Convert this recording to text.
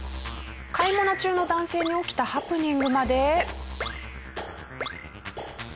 買い物中の男性に起きたハプニングまで。